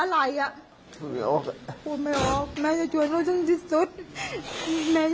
มันมีแม่ด้วยมันมีแม่ด้วย